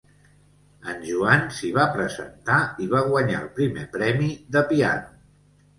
En Joan s'hi va presentar i va guanyar el primer premi de piano.